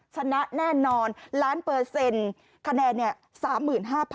ชนะแน่นอนล้านเปอร์เซ็นต์คะแนนเนี่ย๓๕๐๐